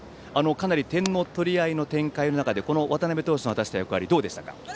かなり点の取り合いの展開の中で渡辺投手の果たした役割はどうでしたか？